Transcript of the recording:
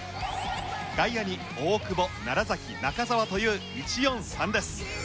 外野に大久保中澤という１−４−３です。